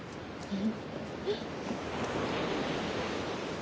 うん。